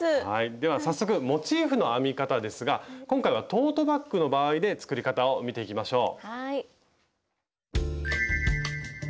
では早速モチーフの編み方ですが今回はトートバッグの場合で作り方を見ていきましょう。